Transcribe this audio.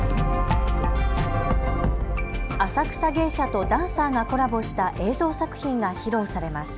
浅草芸者とダンサーがコラボした映像作品が披露されます。